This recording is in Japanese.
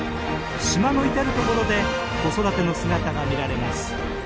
島の至る所で子育ての姿が見られます。